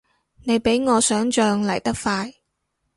你比我想像嚟得快